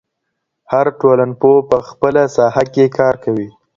هر ټولنپوه په خپله ساحه کې کار کوي.